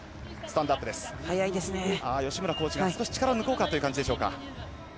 吉村コーチが少し力を抜こうかという感じでしょうか。